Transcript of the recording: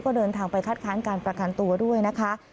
ก็เดินทางไปคัดค้านการประกันตัวด้วยนะคะ